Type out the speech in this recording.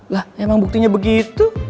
lah emang buktinya begitu